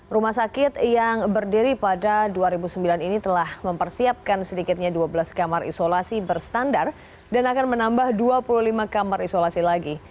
rumah sakit yang berdiri pada dua ribu sembilan ini telah mempersiapkan sedikitnya dua belas kamar isolasi berstandar dan akan menambah dua puluh lima kamar isolasi lagi